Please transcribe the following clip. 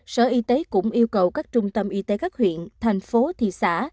sở y tế cũng yêu cầu các trung tâm y tế các huyện thành phố thị xã